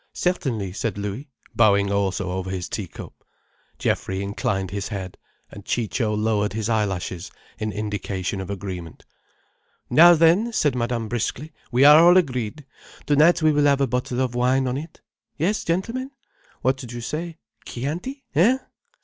"Certainly," said Louis, bowing also over his tea cup. Geoffrey inclined his head, and Ciccio lowered his eyelashes in indication of agreement. "Now then," said Madame briskly, "we are all agreed. Tonight we will have a bottle of wine on it. Yes, gentlemen? What d'you say? Chianti—hein?"